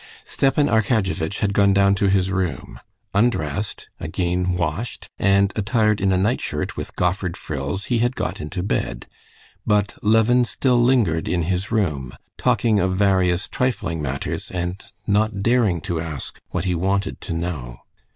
Stepan Arkadyevitch had gone down to his room, undressed, again washed, and attired in a nightshirt with goffered frills, he had got into bed, but Levin still lingered in his room, talking of various trifling matters, and not daring to ask what he wanted to know.